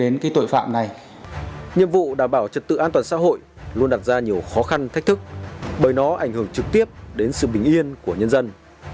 nhiệm vụ đảm bảo trật tự an toàn xã hội luôn đặt ra nhiều khó khăn thách thức bởi nó ảnh hưởng trực tiếp đến sự bình yên của nhân dân